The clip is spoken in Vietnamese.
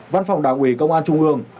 văn phòng đảng ủy công an trung ương